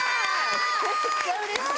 めっちゃうれしい！